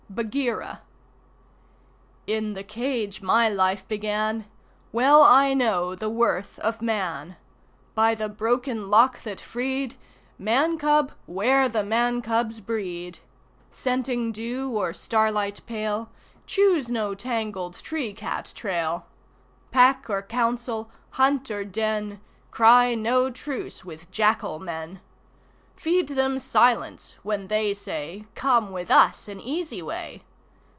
Bagheera In the cage my life began; Well I know the worth of Man. By the Broken Lock that freed Man cub, 'ware the Man cub's breed! Scenting dew or starlight pale, Choose no tangled tree cat trail. Pack or council, hunt or den, Cry no truce with Jackal Men. Feed them silence when they say: "Come with us an easy way."